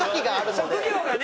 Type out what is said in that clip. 職業がね。